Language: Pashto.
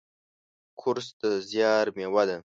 کورس د زیار میوه ده.